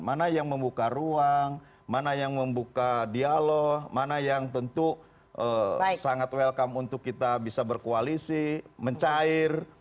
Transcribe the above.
mana yang membuka ruang mana yang membuka dialog mana yang tentu sangat welcome untuk kita bisa berkoalisi mencair